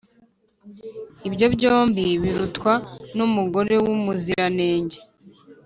ibyo byombi birutwa n’umugore w’umuziranenge.